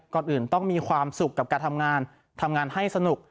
ก่อนอื่นต้องมีความสุขกับการทำงานทำงานให้สนุก